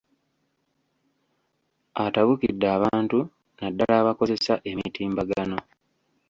Atabukidde abantu naddala abakozesa emitimbagano.